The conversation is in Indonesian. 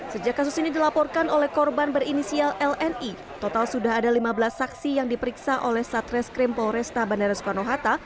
sejak kasus ini dilaporkan oleh korban berinisial lni total sudah ada lima belas saksi yang diperiksa oleh satreskrim polresta bandara soekarno hatta